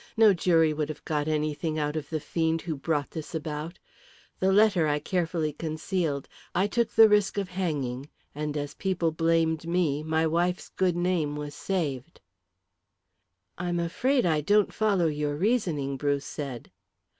No jury would have got anything out of the fiend who brought this about. The letter I carefully concealed. I took the risk of hanging, and as people blamed me my wife's good name was saved." "I am afraid I don't follow your reasoning," Bruce said.